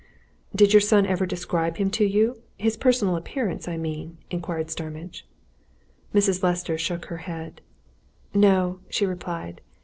"Did your son ever describe him to you? his personal appearance, I mean," inquired Starmidge. Mrs. Lester shook her head. "No!" she replied.